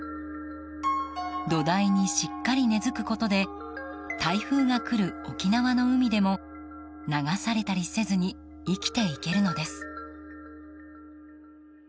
土台にしっかり根付くことで台風が来る沖縄の海でも流されたりせずに生きていけるのです。